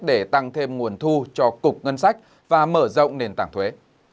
để tăng thêm nguồn thu cho cục ngân sách và mở rộng nền tảng thuế